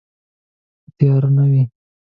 که تیاره نه وي